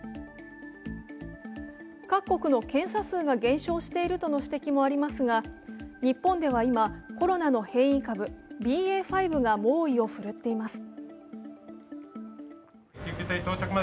各国の検査数が減少しているとの指摘もありますが日本では今、コロナの変異株ＢＡ．５が猛威を振るっています。